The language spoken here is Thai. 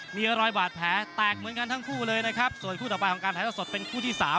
มีรอยบาดแผลแตกเหมือนกันทั้งคู่เลยนะครับส่วนคู่ต่อไปของการถ่ายทอดสดเป็นคู่ที่สาม